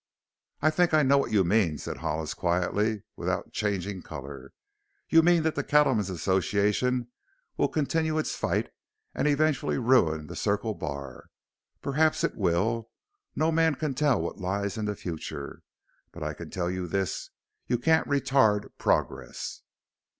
"I think I know what you mean," said Hollis quietly, without changing color. "You mean that the Cattlemen's Association will continue its fight and eventually ruin the Circle Bar. Perhaps it will no man can tell what lies in the future. But I can tell you this: you can't retard progress."